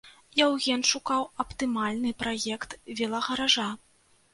Яўген шукаў аптымальны праект велагаража.